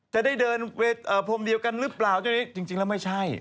จะได้เดินพรมเดียวกันหรือเปล่าจริงแล้วไม่ใช่